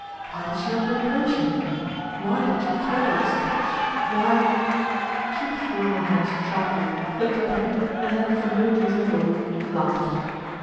' Why did she not reproach him, why did she thrill at his touch, why ? She withdrew her hands sharply, looked up at him and then for no reason at all laughed.